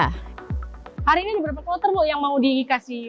hari ini berapa kloter yang mau dikasih